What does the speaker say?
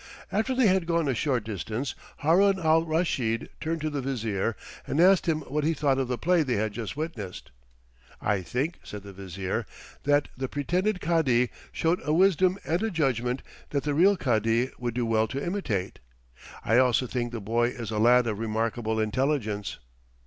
After they had gone a short distance, Haroun al Raschid turned to the Vizier and asked him what he thought of the play they had just witnessed. "I think," said the Vizier, "that the pretended Cadi showed a wisdom and a judgment that the real Cadi would do well to imitate. I also think the boy is a lad of remarkable intelligence."